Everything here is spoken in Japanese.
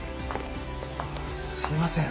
すいません